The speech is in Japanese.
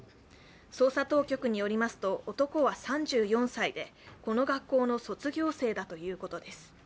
捜査当局によりますと男は３４歳でこの学校の卒業生だということです。